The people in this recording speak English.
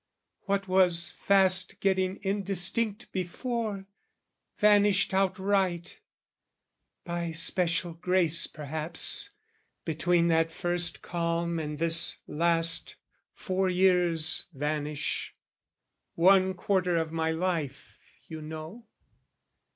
What was fast getting indistinct before, Vanished outright. By special grace perhaps, Between that first calm and this last, four years Vanish, one quarter of my life, you know.